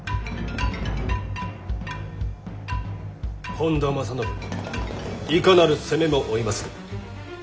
本多正信いかなる責めも負いまする。